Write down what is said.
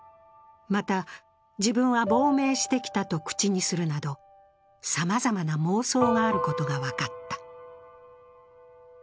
また自分は亡命してきたと口にするなど、さまざまな妄想があることが分かった。